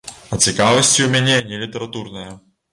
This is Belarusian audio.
А цікавасці ў мяне не літаратурныя.